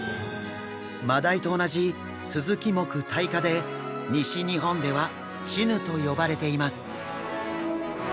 マダイと同じスズキ目タイ科で西日本ではチヌと呼ばれています。